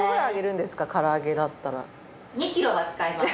唐揚げだったら。